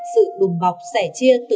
sự đùm bọc sẽ chia tử